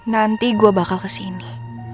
nanti gue bakal kesini